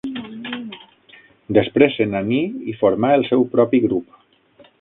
Després, se n'aní i formà el seu propi grup.